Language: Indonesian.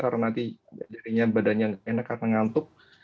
karena nanti jadinya badannya enak karena ngantuk